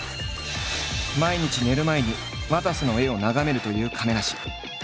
毎日寝る前にわたせの絵を眺めるという亀梨。